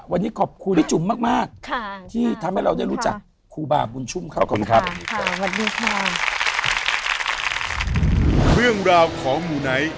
วันนี้จากเหตุการณ์นี้